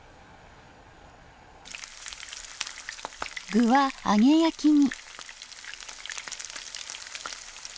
具は揚げ焼きに。